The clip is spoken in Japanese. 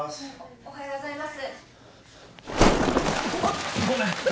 おはようございます。